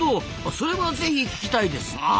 それはぜひ聞きたいですなあ。